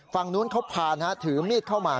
ฝั่งนู้นเขาผ่านถือมีดเข้ามา